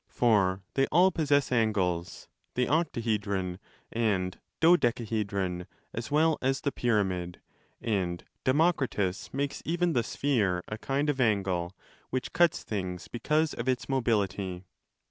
For they all possess angles, the octahedron and dodecahedron as well as the pyramid; and Democritus makes even the sphere a kind of angle, which cuts things because of its mobility.